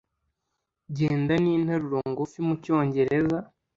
Genda ninteruro ngufi mucyongereza